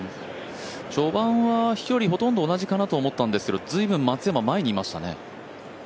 序盤は飛距離同じかなと思ったんですが随分松山、前にいましたね。